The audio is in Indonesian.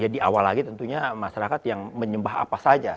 di awal lagi tentunya masyarakat yang menyembah apa saja